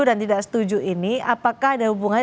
dan tidak setuju ini apakah ada hubungannya